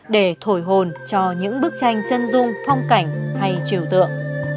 để thổi hồn cho những bức tranh chân dung phong cảnh hay chuyển hình